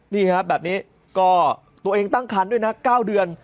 นี่ครับแบบนี้ก็ตัวเองตั้งคันด้วยนะ๙เดือน